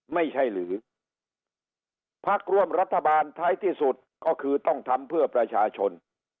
ไม่ใช่หรือพักร่วมรัฐบาลท้ายที่สุดก็คือต้องทำเพื่อประชาชน